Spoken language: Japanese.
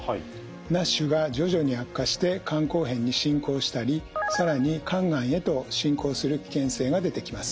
ＮＡＳＨが徐々に悪化して肝硬変に進行したり更に肝がんへと進行する危険性が出てきます。